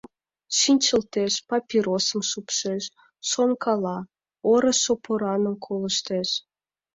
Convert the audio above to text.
Шинчылтеш, папиросым шупшеш, шонкала, орышо пораным колыштеш.